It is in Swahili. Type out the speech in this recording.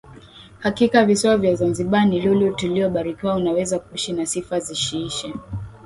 Hakika visiwa vya zanzibar ni lulu tuliyobarikiwa unaweza kuisha na sifa zisiishe